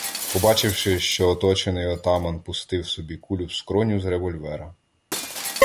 Побачивши, що оточений, отаман пустив собі кулю в скроню з револьвера.